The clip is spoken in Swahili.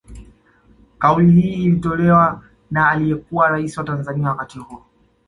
Kauli hii ilitolewa na aliyekuwa raisi wa Tanzania wakati huo